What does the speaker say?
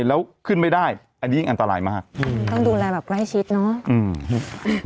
แล้วขึ้นไม่ได้อันนี้ยิ่งอันตรายมากอืมต้องดูแลแบบใกล้ชิดเนอะอืม